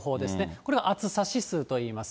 これが暑さ指数といいます。